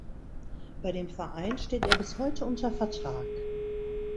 Bei dem Verein steht er bis heute unter Vertrag.